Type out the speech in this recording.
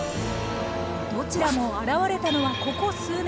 どちらも現れたのはここ数年。